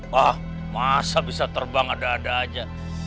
wah masa bisa terbang ada ada aja